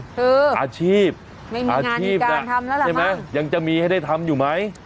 คืออาชีพอาชีพนะไม่มีงานอีกการทำแล้วละมั้งใช่มั้ยยังจะมีให้ได้ทำอยู่มั้ย